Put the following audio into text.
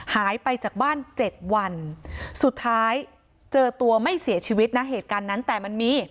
หายไปจากบ้าน๗วันสุดท้ายเจอตัวไม่เสียชีวิตนะเหตุการณ์นั้นแต่มันมี